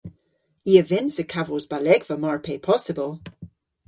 I a vynnsa kavos balegva mar pe possybyl.